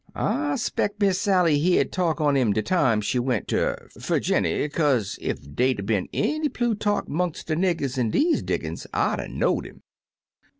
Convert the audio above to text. I 'speck Miss Sally hear talk un him de time she went ter Ferginny, kaze ef deyM 'a' been any Plutarch 'mongs* de niggers in deze diggings I 'd 'a' knowM 'im.